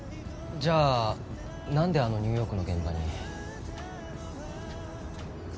じゃあ何であのニューヨークの現場に？